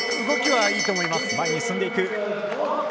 動きはいいと思います。